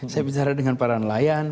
saya bicara dengan para nelayan